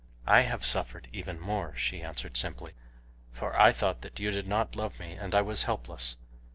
"I have suffered even more," she answered simply, "for I thought that you did not love me, and I was helpless.